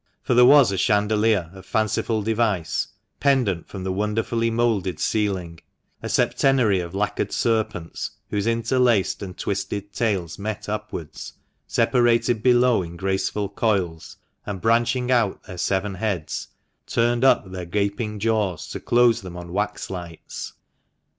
For there was a chandelier, of fanciful device, pendent from the wonderfully moulded ceiling, a septenary of lacquered serpents, whose interlaced and twisted tails met upwards, separated below in graceful coils, and branching out their seven heads, turned up their gaping jaws to close them on wax lights.